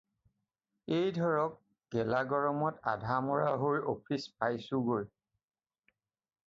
এই ধৰক, গেলা গৰমত আধামৰা হৈ অফিচ পাইছোঁগৈ।